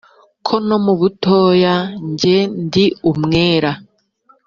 Ko no mu butoya njye ndi umwere